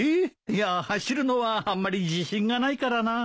いや走るのはあんまり自信がないからなあ。